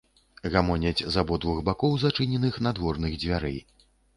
Гамоняць з абодвух бакоў зачыненых надворных дзвярэй.